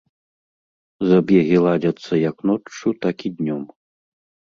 Забегі ладзяцца як ноччу, так і днём.